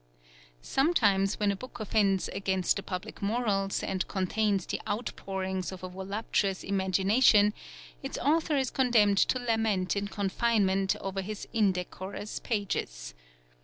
Sometimes when a book offends against the public morals, and contains the outpourings of a voluptuous imagination, its author is condemned to lament in confinement over his indecorous pages.